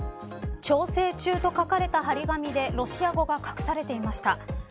調整中と書かれた張り紙でロシア語が隠されていました。